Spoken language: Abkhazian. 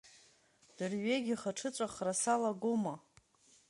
Дырҩегьых аҽыҵәахра салагома?!